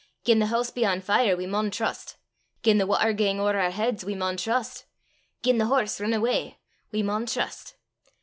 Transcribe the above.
Gien the hoose be on fire we maun trust; gien the watter gang ower oor heids we maun trust; gien the horse rin awa', we maun trust.